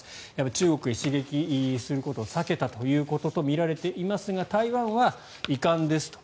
中国を刺激することを避けたということと見られていますが台湾は遺憾ですと。